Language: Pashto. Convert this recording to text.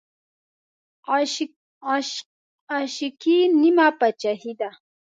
عاشقي نيمه باچاهي ده